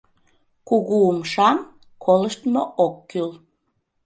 «КУГУ УМШАМ» КОЛЫШТМО ОК КӰЛ